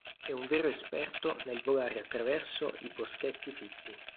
È un vero esperto nel volare attraverso i boschetti fitti.